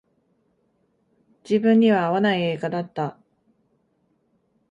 自分には合わない映画だった